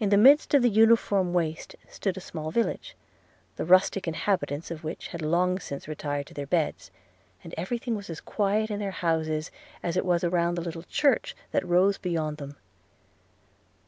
In the midst of the uniform waste stood a small village, the rustic inhabitants of which had long since retired to their beds; and every thing was as quiet in their houses as it was around the little church that rose beyond them.